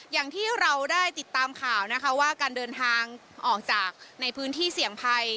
อย่างที่เราได้ติดตามข่าวนะคะว่าการเดินทางออกจากในพื้นที่เสี่ยงภัย